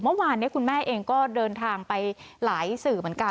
เมื่อวานนี้คุณแม่เองก็เดินทางไปหลายสื่อเหมือนกัน